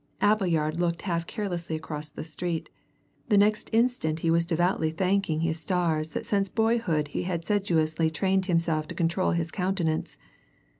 Appleyard looked half carelessly across the street the next instant he was devoutly thanking his stars that since boyhood he had sedulously trained himself to control his countenance.